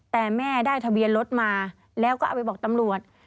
แต่แม่ได้ทะเบียนรถมาแล้วก็เอาไปบอกตำรวจ